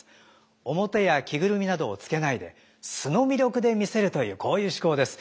面や着ぐるみなどをつけないで素の魅力で見せるというこういう趣向です。